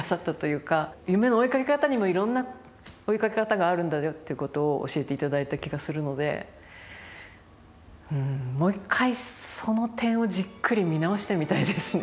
夢の追いかけ方にもいろんな追いかけ方があるんだよっていうことを教えていただいた気がするのでうんもう一回その点をじっくり見直してみたいですね